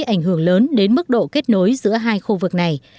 ảnh hưởng lớn đến mức độ kết nối giữa hai khu vực này